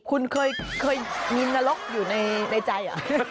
ใครอีกคุณเคยมีนรกอยู่ในใจอ่ะ